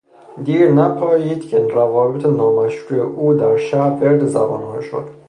دیری نپایید که روابط نامشروع او در شهر ورد زبانها شد.